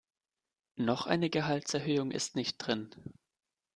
Noch eine Gehaltserhöhung ist nicht drin.